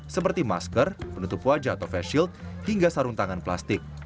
seperti masker penutup wajah atau face shield hingga sarung tangan plastik